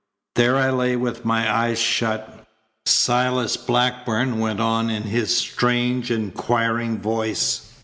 "There I lay with my eyes shut," Silas Blackburn went on in his strange, inquiring voice.